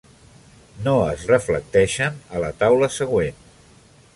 No es reflecteixen a la taula següent.